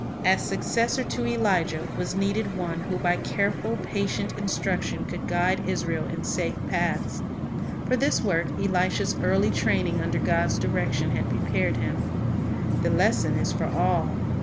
As successor to Elijah Was needed one who by careful, patient instruction could guide Israel in safe paths. For this work Elisha's early training under God's direction had prepared him. The lesson is for all.